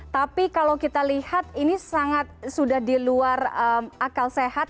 tapi kalau kita lihat ini sangat sudah di luar akal sehat